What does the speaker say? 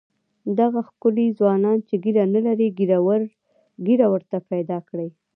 دغه ښکلي ځوانان چې ږیره نه لري ږیره ورته پیدا کړه.